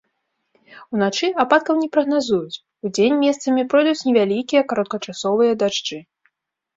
Уначы ападкаў не прагназуюць, удзень месцамі пройдуць невялікія кароткачасовыя дажджы.